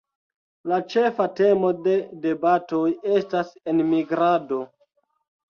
La ĉefa temo de debatoj estas enmigrado.